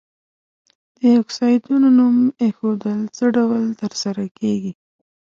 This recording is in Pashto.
د اکسایدونو نوم ایښودل څه ډول تر سره کیږي؟